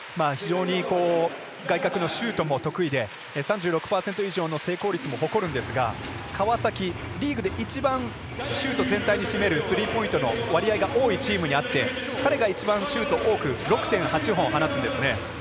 非常に外角のシュートも得意で３６％以上の成功率も誇るんですが川崎、リーグで一番シュート全体に占めるスリーポイントの割合が多いチームであって彼が一番シュートが多く４８本放つんですね。